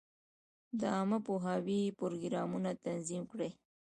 د عامه پوهاوي پروګرامونه تنظیم کړي.